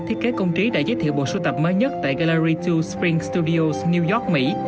nhà thiết kế công trí đã giới thiệu bộ sưu tập mới nhất tại gallery hai spring studios new york mỹ